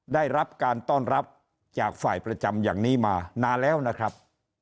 ได้รับการต้อนรับจากฝ่ายประจำอย่างนี้มานานแล้วนะครับ